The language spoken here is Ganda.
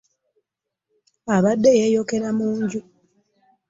Abadde yeeyokera mu nju